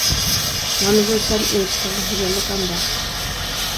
مانا بۇ سەن ئېرىشىدىغان خۇشاللىق ھەم بەخت!